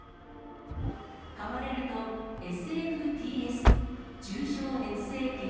かまれると、ＳＦＴＳ・重症熱性血